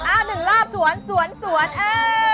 อ่า๑รอบสวนเอ้อ